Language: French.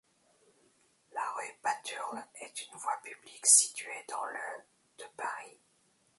La rue Paturle est une voie publique située dans le de Paris.